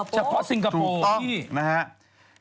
เฉพาะในสิงคโปร์